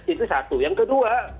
itu satu yang kedua